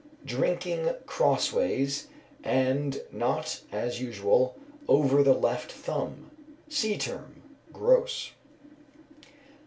_ Drinking crossways, and not as usual, over the left thumb. Sea term. GROSE.